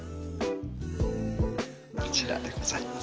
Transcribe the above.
こちらでございます。